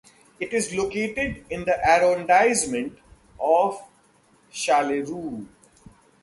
It is located in the arrondissement of Charleroi.